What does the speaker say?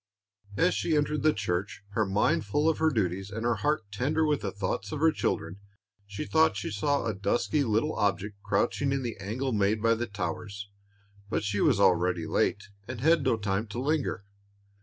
As she entered the church, her mind full of her duties and her heart tender with thoughts of her children, she thought she saw a dusky little object crouching in the angle made by the towers; but she was already late, and had no time to linger.